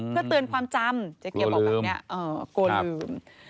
เพื่อเตือนความจำเจ๊เกียวบอกแบบนี้